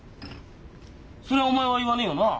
そりゃお前は言わねえよな。